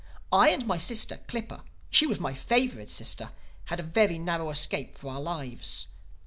I and my sister, Clippa (she was my favorite sister) had a very narrow escape for our lives.